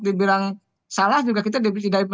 dibilang salah juga kita tidak bisa mengkritik